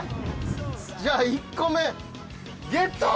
じゃあ１個目ゲット！